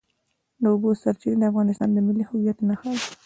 د اوبو سرچینې د افغانستان د ملي هویت نښه ده.